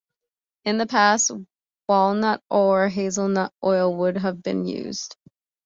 In the past walnut or hazelnut oil would have been used.